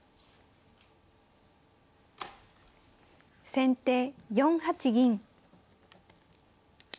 先手４八銀。